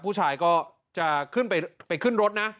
ผู้ชายก็จะขึ้นไปขึ้นรถนะ